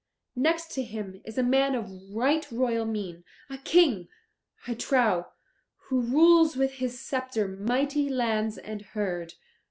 Next to him is a man of right royal mien, a King, I trow, who rules with his sceptre mighty lands and herd.